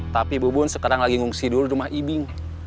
tapi bu bun sekarang lagi ngungsi dulu rumah ibing